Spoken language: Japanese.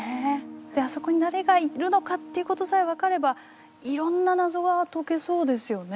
であそこに誰がいるのかっていうことさえ分かればいろんな謎が解けそうですよね。